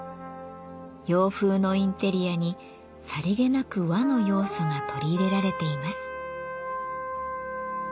洋風のインテリアにさりげなく和の要素が取り入れられています。